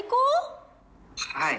はい。